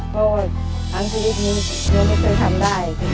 ก็ทั้งชีวิตนี้ยังไม่เคยทำได้